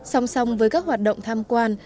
song song với các hoạt động tham quan